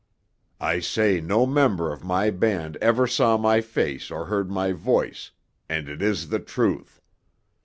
I say no member of my band ever saw my face or heard my voice, and it is the truth.